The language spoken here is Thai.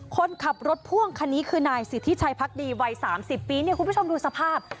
คนขับรถพ่วงคันนี้คือนายสิทธิชัยพักดีวัย๓๐ปีเนี่ยคุณผู้ชมดูสภาพ